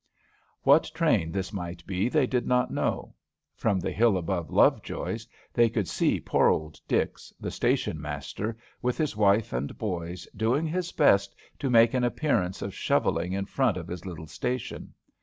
What train this might be, they did not know. From the hill above Lovejoy's they could see poor old Dix, the station master, with his wife and boys, doing his best to make an appearance of shovelling in front of his little station.